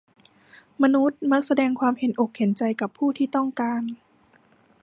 มนุษย์มักแสดงความเห็นอกเห็นใจกับผู้ที่ต้องการ